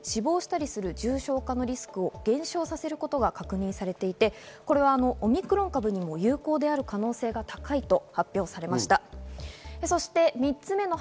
臨床試験では入院したり死亡したりする重症化のリスクを減少させることが確認されていて、これはオミクロン株にも有効である可能性が高いと発表されました。